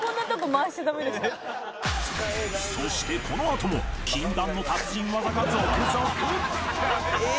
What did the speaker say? そしてこのあとも禁断の達人技が続々！